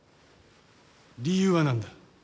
理由は何だ？